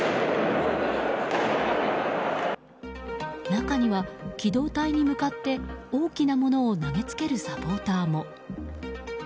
中には機動隊に向かって大きなものを投げつけるサポーターも。